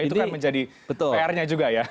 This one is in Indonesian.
itu kan menjadi pr nya juga ya